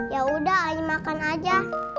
ya udah ain makan aja